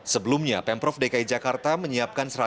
sebelumnya pemprov dki jakarta menyiapkan